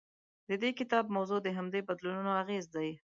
د دې کتاب موضوع د همدې بدلونونو اغېز دی.